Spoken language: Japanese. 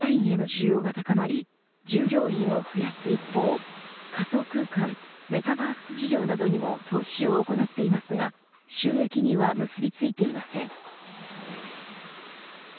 メタは、コロナ禍において急速にオンラインへの需要が高まり従業員を増やす一方仮想空間メタバース事業などにも投資を行っていますが収益には結びついていません。